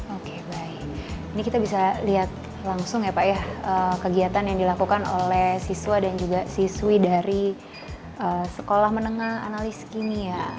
oke baik ini kita bisa lihat langsung ya pak ya kegiatan yang dilakukan oleh siswa dan juga siswi dari sekolah menengah analis kimia